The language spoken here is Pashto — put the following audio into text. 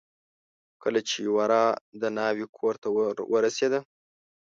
کله چې ورا د ناوې کورته ور ورسېده.